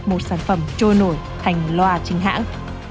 một sản phẩm trôi nổi thành loa chính hãng